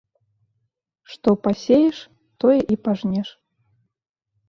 Што пасееш, тое і пажнеш.